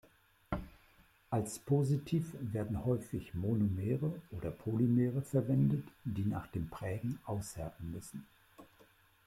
Als Positiv werden häufig Monomere oder Polymere verwendet, die nach dem Prägen aushärten müssen.